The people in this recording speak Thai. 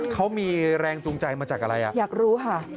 เขามีแรงจูงใจมาจากอะไรอ่ะอยากรู้ค่ะ